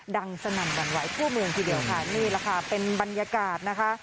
สนั่นหวั่นไหวทั่วเมืองทีเดียวค่ะนี่แหละค่ะเป็นบรรยากาศนะคะ